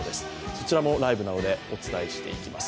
そちらもライブなどでお伝えしていきます。